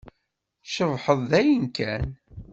Tcebḥeḍ dayen kan!